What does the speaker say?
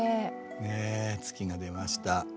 ねえ月が出ました。